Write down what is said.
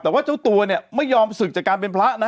แต่ว่าเจ้าตัวเนี่ยไม่ยอมศึกจากการเป็นพระนะ